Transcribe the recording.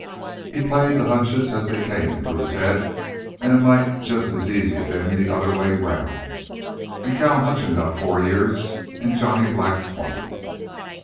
He played the hunches as they came into his head, an' it might just as easy ben the other way around an' Cal Hutchins got four years an' Johnny Black twenty.